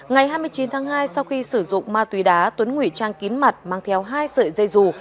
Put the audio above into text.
ngày hai mươi chín tháng hai sau khi sử dụng ma túy đá tuấn ngủy trang kín mặt mang theo hai sợi dây dù